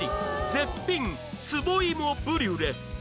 絶品壺芋ブリュレ